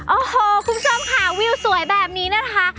โอ้โหคุณผู้ชมค่ะวิวสวยแบบนี้นะคะ